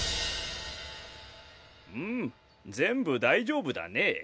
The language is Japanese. うん全部大丈夫だね。